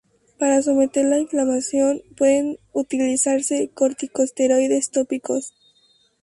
Para someter la inflamación, pueden utilizarse corticosteroides tópicos.